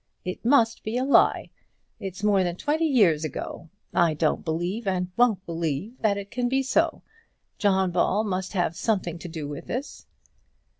"It must be a lie. It's more than twenty years ago. I don't believe and won't believe that it can be so. John Ball must have something to do with this."